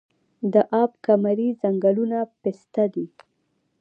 د اب کمري ځنګلونه پسته دي